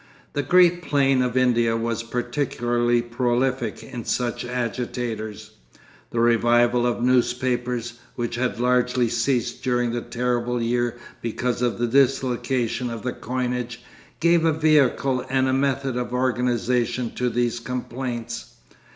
The great plain of India was particularly prolific in such agitators. The revival of newspapers, which had largely ceased during the terrible year because of the dislocation of the coinage, gave a vehicle and a method of organisation to these complaints.